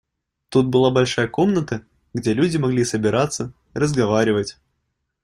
Тут была большая комната, где люди могли собираться, разговаривать.